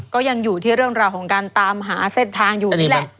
ก็ยังอยู่ที่เรื่องราวของการตามหาเส้นทางอยู่นี่แหละ